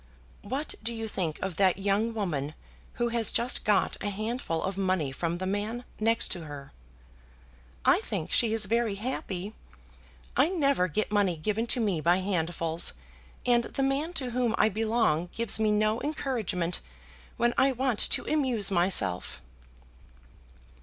"What do you think of that young woman who has just got a handful of money from the man next to her?" "I think she is very happy. I never get money given to me by handfuls, and the man to whom I belong gives me no encouragement when I want to amuse myself."